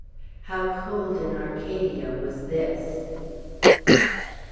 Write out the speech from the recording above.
How cold an Arcadia was this!